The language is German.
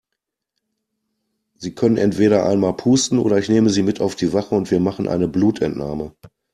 Sie können entweder einmal pusten oder ich nehme Sie mit auf die Wache und wir machen eine Blutentnahme.